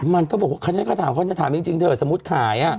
มันก็บอกเขาถามจริงเถอะสมมุติขาย